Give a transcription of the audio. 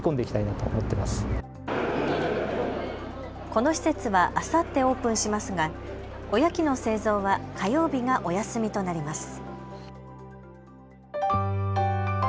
この施設はあさってオープンしますが、おやきの製造は火曜日がお休みとなります。